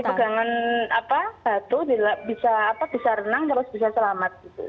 ya tadi pegangan batu bisa renang terus bisa selamat